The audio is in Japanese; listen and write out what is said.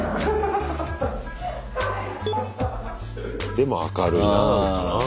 でも明るいななんかな。